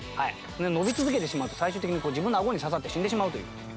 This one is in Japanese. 伸び続けてしまうと最終的に自分の顎に刺さって死んでしまうという。